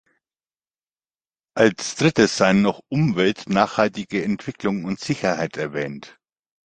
Als Drittes seien noch Umwelt, nachhaltige Entwicklung und Sicherheit erwähnt.